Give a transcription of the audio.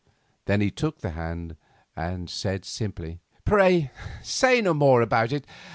Then he took the hand, and said simply: "Pray, say no more about it.